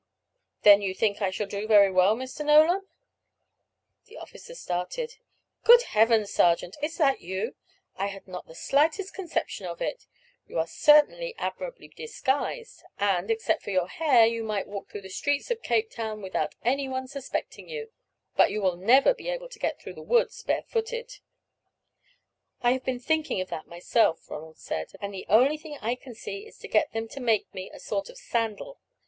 "Then you think I shall do very well, Mr. Nolan?" The officer started. "Good Heavens, sergeant, is it you? I had not the slightest conception of it. You are certainly admirably disguised, and, except for your hair, you might walk through the streets of Cape Town without any one suspecting you; but you will never be able to get through the woods barefooted." "I have been thinking of that myself," Ronald said, "and the only thing I can see is to get them to make me a sort of sandal.